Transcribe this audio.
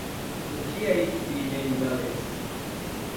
O que é Wikipedia em galês?